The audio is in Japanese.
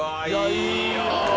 いいよ。